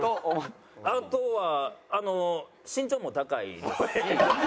あとはあの身長も高いですし。